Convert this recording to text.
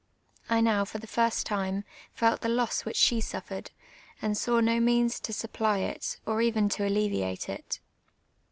I now, for the first time, felt the loss which she suffered, and saw no means to supply it, or even to alleviate it.